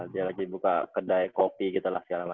dia lagi buka kedai kopi gitu lah sekarang